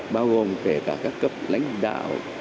bao gồm cả các cấp lãnh đạo